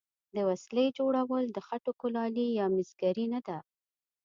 د وسلې جوړول د خټو کولالي یا مسګري نه ده.